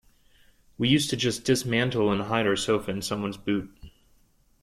We used to just dismantle and hide our sofa in someone's boot.